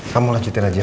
kamu lanjutin aja